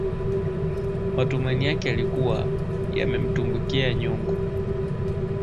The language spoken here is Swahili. Matumaini yake yalikuwa yametumbukia nyongo